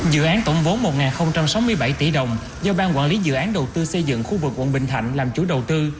dự án tổng vốn một sáu mươi bảy tỷ đồng do ban quản lý dự án đầu tư xây dựng khu vực quận bình thạnh làm chủ đầu tư